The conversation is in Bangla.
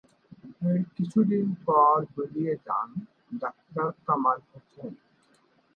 এর কিছুদিন পর বেরিয়ে যান ডাক্তার কামাল হোসেন।